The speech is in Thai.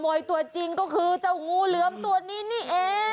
ตัวจริงก็คือเจ้างูเหลือมตัวนี้นี่เอง